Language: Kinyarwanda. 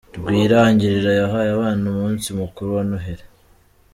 rwiragira yahaye abana umunsi mukuru wa Noheli